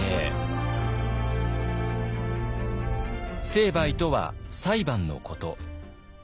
「成敗」とは「裁判」のこと。